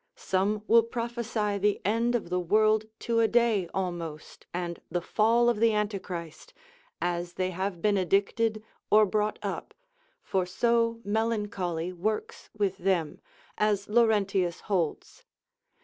Some will prophesy of the end of the world to a day almost, and the fall of the Antichrist, as they have been addicted or brought up; for so melancholy works with them, as Laurentius holds.